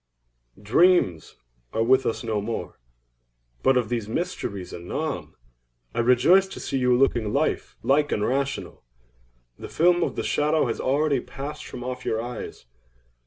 Dreams are with us no more; but of these mysteries anon. I rejoice to see you looking life like and rational. The film of the shadow has already passed from off your eyes.